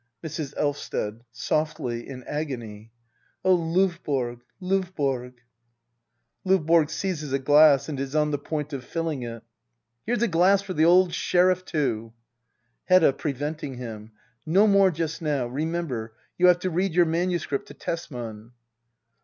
Mrs. Elvsted. [Softly, in agonif.] Oh, LOvborg, Lovborg ! LOVBORO. [Seizes a glass and is on the point of filUng it] Here's a glass for the old Sheriff too I Hedda. [Preventing him,] No more just now. Remember, you have to read your manuscript to Tesman.